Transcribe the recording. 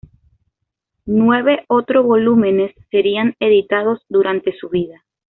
Nueve otros volúmenes serían editados durante su vida.